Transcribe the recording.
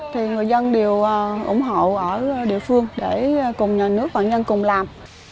thì người dân đều ủng hộ ở địa phương để cùng nhà nước bản dân cùng làm